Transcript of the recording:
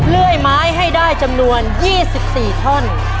เลื่อยไม้ให้ได้จำนวน๒๔ท่อน